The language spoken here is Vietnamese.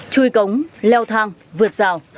chui cống leo thang vượt rào